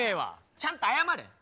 ちゃんと謝れ。